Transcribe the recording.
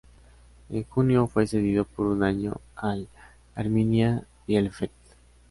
En junio fue cedido por un año al Arminia Bielefeld.